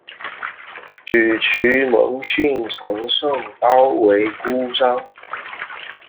沮渠蒙逊乘胜包围姑臧。